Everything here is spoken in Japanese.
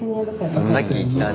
さっき言ったね。